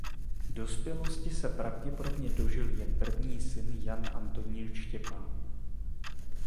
Dospělosti se pravděpodobně dožil jen první syn Jan Antonín Štěpán.